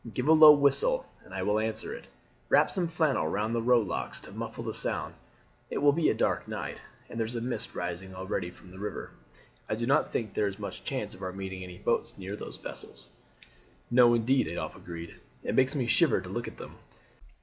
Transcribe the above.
Give a low whistle, and I will answer it. Wrap some flannel round the rowlocks to muffle the sound. It will be a dark night, and there's a mist rising already from the river. I do not think there's much chance of our meeting any boats near those vessels." "No, indeed," Adolphe agreed. "It makes me shiver to look at them.